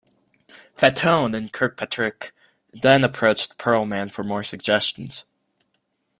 Fatone and Kirkpatrick then approached Pearlman for more suggestions.